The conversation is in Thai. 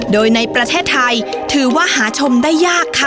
โดยในประเทศไทยถือว่าหาชมได้ยากค่ะ